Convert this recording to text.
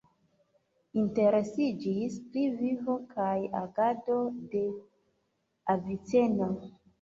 Interesiĝis pri vivo kaj agado de Aviceno.